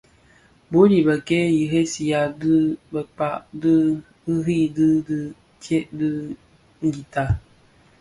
Bul i bëkéé yi ressiya yi bëkpàg rì di đì tyën ti ngüità.